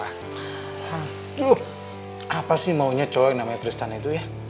aduh apa sih maunya cowok namanya tristan itu ya